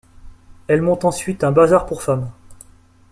Elle monte ensuite un bazar pour femmes.